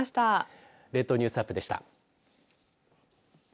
列島ニュースアップでした。